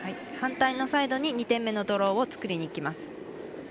反対のサイドに２点目のドローを作りにいきます。